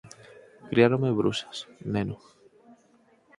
Criáronme bruxas, neno.